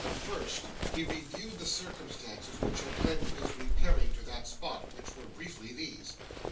First, he reviewed the circumstances which had led to his repairing to that spot, which were briefly these.